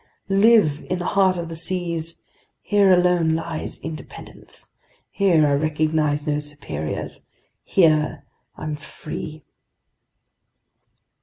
Live in the heart of the seas! Here alone lies independence! Here I recognize no superiors! Here I'm free!"